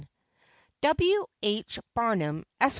W. H. BARNUM, Esq.